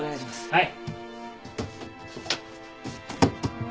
はい。